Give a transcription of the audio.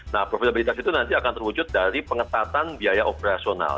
nah profitabilitas itu nanti akan terwujud dari pengetatan biaya operasional